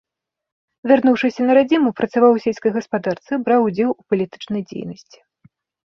Вярнуўшыся на радзіму, працаваў у сельскай гаспадарцы, браў удзел у палітычнай дзейнасці.